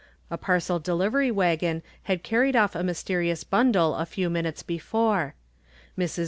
A parcel delivery wagon had carried off a mysterious bundle a few minutes before. Mrs.